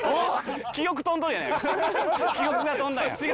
記憶が飛んだやん。